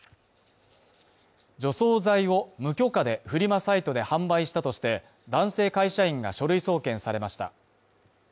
除草剤を無許可でフリマサイトで販売したとして男性会社員が書類送検されました。